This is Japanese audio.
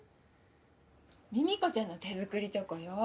ミミコちゃんの手づくりチョコよ。